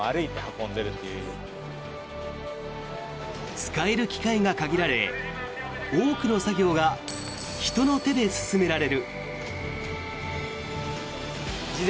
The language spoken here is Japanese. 使える機械が限られ多くの作業が人の手で進められる。